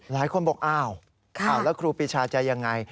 หลายคนบอกอ้าวแล้วครูปีชาจะยังไง